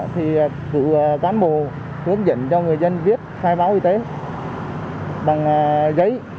thì cử cán bộ hướng dẫn cho người dân viết khai báo y tế bằng giấy